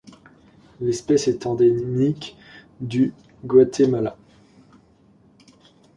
L'espèce est endémique du Guatemala.